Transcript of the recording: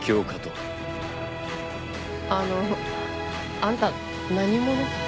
あのうあんた何者？